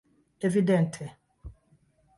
evidente